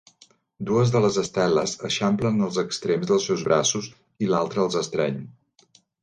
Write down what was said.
Dues de les esteles eixamplen els extrems dels seus braços i l'altra els estreny.